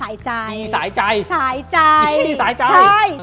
สายใจสายใจสายใจสายใจสายใจสายใจสายใจ